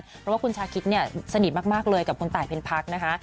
เพราะว่าคุณชาคิดเนี่ยสนิทมากเลยกับคุณตายเพ็ญพักนะคะ